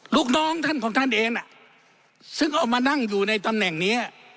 ลูกน้องท่านของท่านเองซึ่งเอามานั่งอยู่ในตำแหน่งนี้